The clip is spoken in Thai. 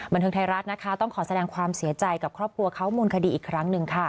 บันเทิงไทยรัฐนะคะต้องขอแสดงความเสียใจกับครอบครัวเขามูลคดีอีกครั้งหนึ่งค่ะ